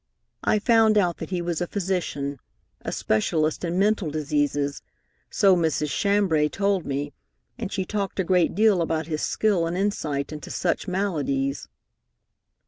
I found out that he was a physician, a specialist in mental diseases, so Mrs. Chambray told me, and she talked a great deal about his skill and insight into such maladies.